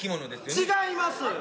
違います。